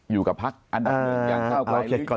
อยู่กับพักอันดับหนึ่งอย่างก้าวไกล